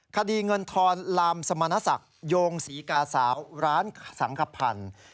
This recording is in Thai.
คดีเงินทรลามสมณศักดิ์โยงสีกาสาวร้านสามกับพัน